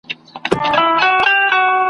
راست اوسه په لویه لار کي ناست اوسه ..